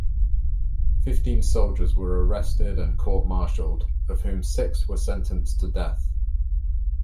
Fifteen soldiers were arrested and court martialed, of whom six were sentenced to death.